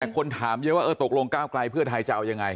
คนถามเยอะว่าเออตกลงก้าวไกลเพื่อไทยจะเอายังไง